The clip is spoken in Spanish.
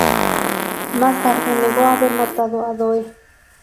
Más tarde negó haber matado a Doe.